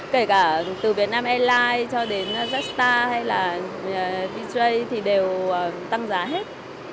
kể cả từ việt nam airlines cho đến jetstar hay là vj thì đều tăng giá hết